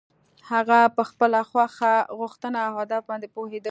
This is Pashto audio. هغه په خپله غوښتنه او هدف باندې پوهېده.